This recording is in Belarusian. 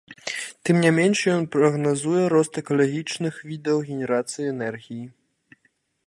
Тым не менш ён прагназуе рост экалагічных відаў генерацыі энергіі.